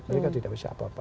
mereka tidak bisa apa apa